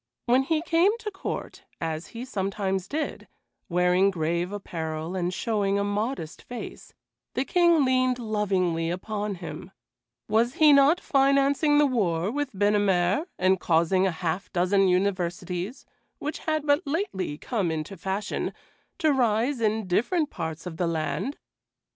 When he came to court, as he sometimes did, wearing grave apparel and showing a modest face, the King leaned lovingly upon him; was he not financing the war with Binnamere and causing a half dozen universities, which had but lately come into fashion, to rise in different parts of the land?